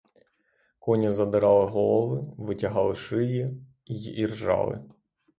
Коні задирали голови, витягали шиї й іржали.